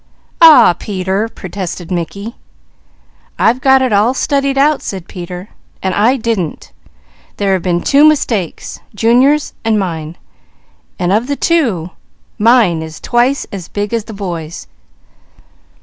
"Aw w ah Peter!" protested Mickey. "I've got it all studied out," said Peter, "and I didn't! There have been two mistakes, Junior's and mine, and of the two, mine is twice as big as the boy's."